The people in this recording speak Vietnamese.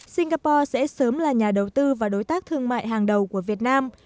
singapore sẽ sớm là nhà đầu tư và đối tác thương mại hàng đầu của việt nam